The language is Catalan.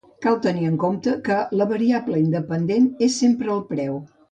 Cal tenir en compte que la variable independent és sempre el preu.